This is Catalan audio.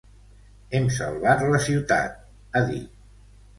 Hem salvat la ciutat, ha dit.